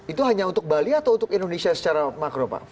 itu hanya untuk bali atau untuk indonesia secara makro pak